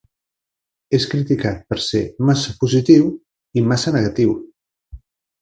És criticat per ser "massa positiu" i "massa negatiu".